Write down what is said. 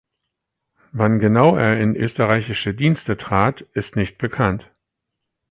Wann genau er in österreichische Dienste trat, ist nicht bekannt.